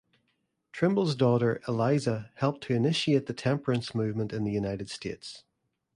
Trimble's daughter, Eliza, helped to initiate the temperance movement in the United States.